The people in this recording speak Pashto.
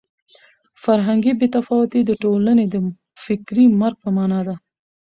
فرهنګي بې تفاوتي د ټولنې د فکري مرګ په مانا ده.